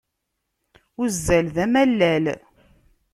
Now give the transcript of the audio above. Uzzal d amalal.